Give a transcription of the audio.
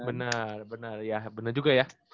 bener bener ya bener juga ya